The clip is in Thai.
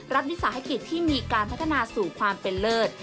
วิสาหกิจที่มีการพัฒนาสู่ความเป็นเลิศ